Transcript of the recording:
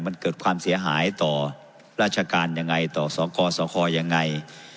มันเกิดความเสียหายต่อราชการยังไงต่อสกสคยังไง